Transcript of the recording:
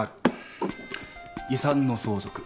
遺産の相続。